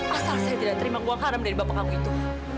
asal saya tidak terima uang haram dari bapak kamu itu